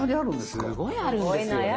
すごいあるんですよね。